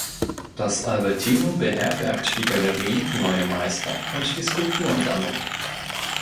Das Albertinum beherbergt die Galerie Neue Meister und die Skulpturensammlung.